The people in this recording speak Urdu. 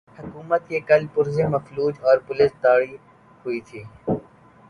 حکومت کے کل پرزے مفلوج اور پولیس ڈری ہوئی تھی۔